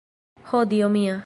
Ho dio mia!